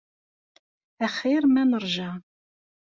Axir ma nerja.